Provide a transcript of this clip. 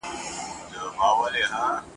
نه ظالم به له مظلوم څخه بېلېږي !.